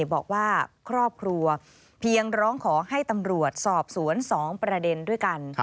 บอกว่าครอบครัวเพียงร้องขอให้ตำรวจสอบสวน๒ประเด็นด้วยกัน